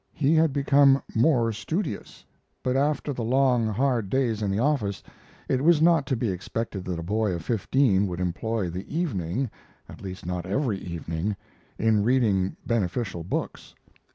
He had become more studious; but after the long, hard days in the office it was not to be expected that a boy of fifteen would employ the evening at least not every evening in reading beneficial books.